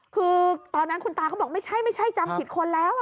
คือตอนนั้นคุณตาก็บอกไม่ใช่ไม่ใช่จำผิดคนแล้ว